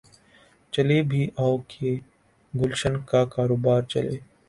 چلے بھی آؤ کہ گلشن کا کاروبار چلے